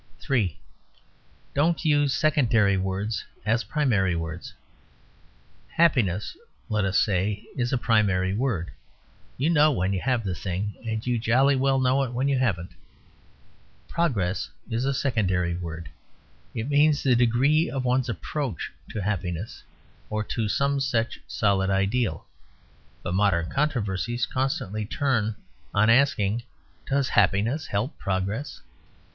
(3) Don't use secondary words as primary words. "Happiness" (let us say) is a primary word. You know when you have the thing, and you jolly well know when you haven't. "Progress" is a secondary word; it means the degree of one's approach to happiness, or to some such solid ideal. But modern controversies constantly turn on asking, "Does Happiness help Progress?"